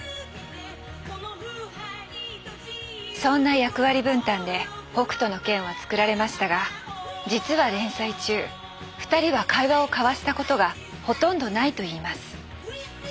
そんな役割分担で「北斗の拳」は作られましたが実は連載中２人は会話を交わしたことがほとんどないと言います。